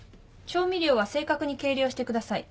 調味料は正確に計量してください。